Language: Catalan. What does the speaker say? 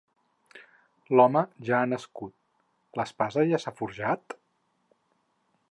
L"home ja ha nascut, l"espasa ja s"ha forjat?